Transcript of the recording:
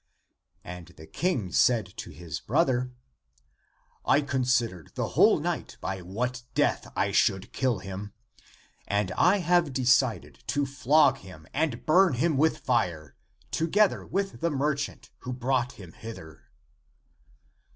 And the King said to his brother, '* I considered the whole night by what death I should kill him, and I have decided to flog him and burn him with fire together with the merchant who brought him hither."